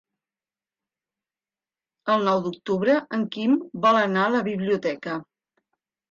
El nou d'octubre en Quim vol anar a la biblioteca.